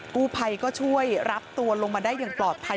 กู้ภัยก็ช่วยรับตัวลงมาได้อย่างปลอดภัย